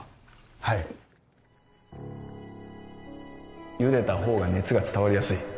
・はい・茹でたほうが熱が伝わりやすい